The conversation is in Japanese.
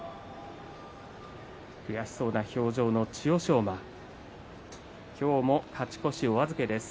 悔しそうな表情の千代翔馬です。